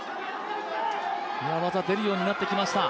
技が出るようになってきました。